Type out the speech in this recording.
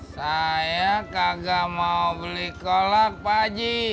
saya kagak mau beli kolak pak haji